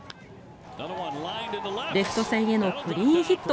レフト線へのクリーンヒット。